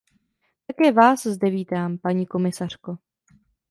Také Vás zde vítám, paní komisařko.